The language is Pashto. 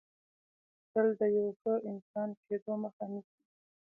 تل د یو ښه انسان کېدو مخه نیسي